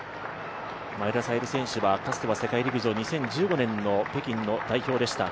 前田彩里選手はかつては世界陸上、２０１５年の北京の代表でした。